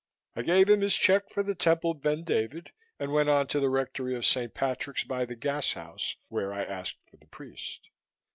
I gave him his check for the Temple Ben David and went on to the rectory of St. Patrick's by the Gashouse, where I asked for the priest.